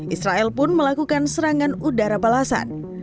israel pun melakukan serangan udara balasan